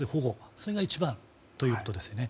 それが一番ということですよね。